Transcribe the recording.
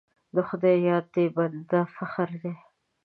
د خدای یاد د بنده فخر دی.